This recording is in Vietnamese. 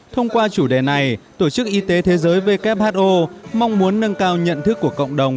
thông qua chủ đề này tổ chức y tế thế giới who mong muốn nâng cao nhận thức của cộng đồng